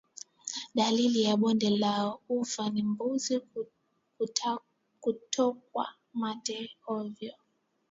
Dalili ya bonde la ufa ni mbuzi kutokwa mate hovyo